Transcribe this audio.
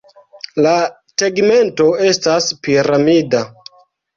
La tegmento estas piramida.